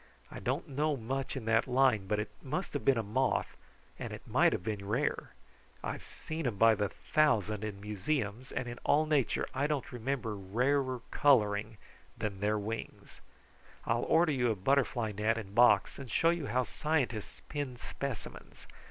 I don't know much in that line, but it must have been a moth, and it might have been rare. I've seen them by the thousand in museums, and in all nature I don't remember rarer coloring than their wings. I'll order you a butterfly net and box and show you how scientists pin specimens.